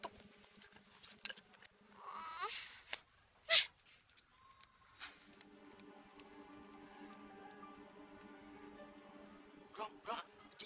aku bener bener kena godaan setan yang terkutuk